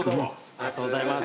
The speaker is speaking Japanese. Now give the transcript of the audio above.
ありがとうございます。